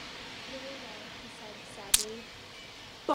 “Very well,” he said sadly.